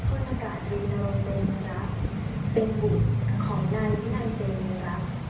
พลประกาศตรีนโรนเตรียมรักเป็นบุญของนายพินันเตรียมรัก